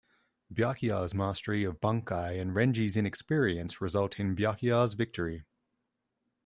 Byakuya's mastery of bankai and Renji's inexperience result in Byakuya's victory.